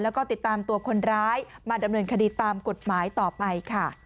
แล้วก็ติดตามตัวคนร้ายมาดำเนินคดีตามกฎหมายต่อไปค่ะ